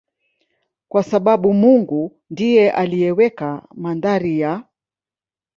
kwa sababu Mungu ndiye aliyeweka mandhari ya